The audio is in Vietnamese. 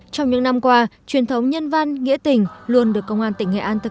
trong những năm qua truyền thống nhân văn nghĩa tình luôn được công an tỉnh nghệ an thực hiện